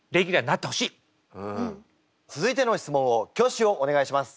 続いての質問を挙手をお願いします。